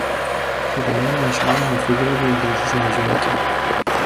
پدرم اشعار حافظ را به انگلیسی ترجمه کرد.